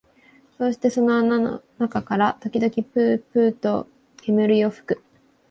そうしてその穴の中から時々ぷうぷうと煙を吹く